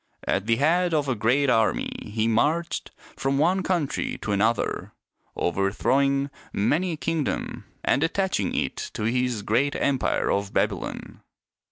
At the head of a great army he marched from one country to another, overthrowing many a kingdom and attaching it to his great empire of Babylon.